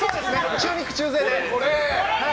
中肉中背で。